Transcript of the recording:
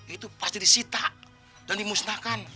itu pasti disita dan dimusnahkan